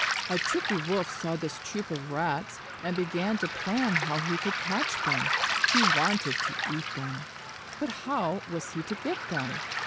A Tricky Wolf saw this troop of Rats, and began to plan how he could catch them. He wanted to eat them, but how was he to get them?